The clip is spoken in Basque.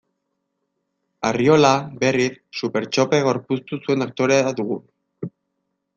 Arriola, berriz, Supertxope gorpuztu zuen aktorea dugu.